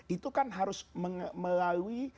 itu kan harus melalui